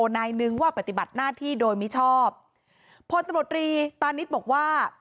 นายนึงว่าปฏิบัติหน้าที่โดยมิชอบพลตำรวจรีตานิดบอกว่า